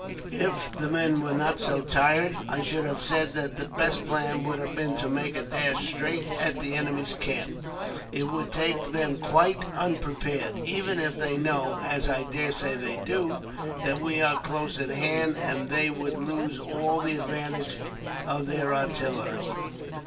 If the men were not so tired, I should have said that the best plan would have been to make a dash straight at the enemy's camp. It would take them quite unprepared, even if they know, as I daresay they do, that we are close at hand; and they would lose all the advantage of their artillery."